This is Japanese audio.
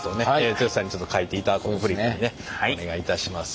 剛さんに書いていただこうとフリップにね。お願いいたします。